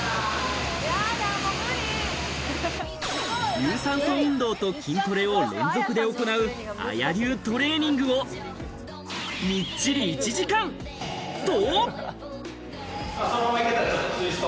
有酸素運動と筋トレを連続で行うＡＹＡ流トレーニングをみっちり１時間、と。